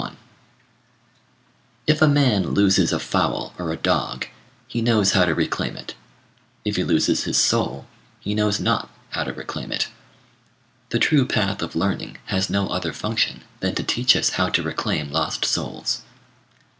I) "If a man loses a fowl or a dog, he knows how to reclaim it. If he loses his soul, he knows not how to reclaim it. The true path of learning has no other function than to teach us how to reclaim lost souls."